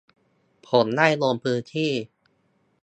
ผมได้ลงพื้นที่